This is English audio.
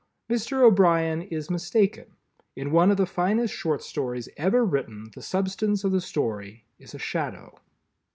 Mr. O'Brien is mistaken; in one of the finest Short Stories ever written the Substance of the Story is a Shadow!